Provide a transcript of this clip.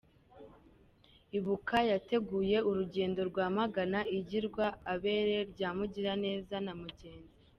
Ibuka yateguye urugendo rwamagana igirwa abere rya Mugiraneza na Mugenzi